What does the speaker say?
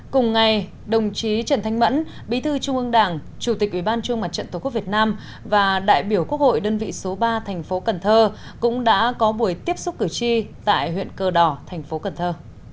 cùng ngày đồng chí trần thanh mẫn bí thư trung ương đảng chủ tịch ủy ban trung mặt trận tổ quốc việt nam và đại biểu quốc hội đơn vị số ba thành phố cần thơ cũng đã có buổi tiếp xúc cử tri tại huyện cờ đỏ thành phố cần thơ